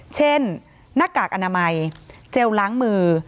เช่นนักกากอนามัยเจลล้างมือ